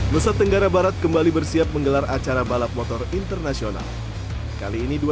nusa tenggara barat kembali bersiap menggelar acara balap motor internasional kali ini dua